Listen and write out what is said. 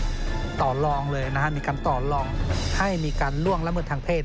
ก็ต่อลองเลยนะฮะมีการต่อลองให้มีการล่วงละเมิดทางเพศ